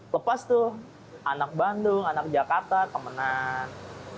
lepas tuh anak bandung anak jakarta temenan